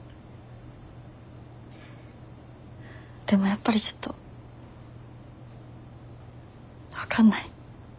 でもやっぱりちょっと分かんない。